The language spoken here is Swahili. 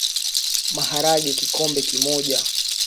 Maharage Kikombe moja